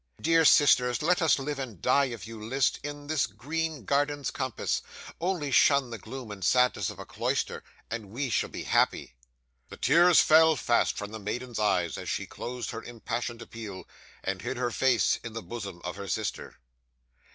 Dear sisters, let us live and die, if you list, in this green garden's compass; only shun the gloom and sadness of a cloister, and we shall be happy." 'The tears fell fast from the maiden's eyes as she closed her impassioned appeal, and hid her face in the bosom of her sister.